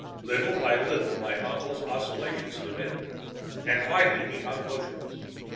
Little by little my uncle's oscillations diminished, and finally he hung motionless.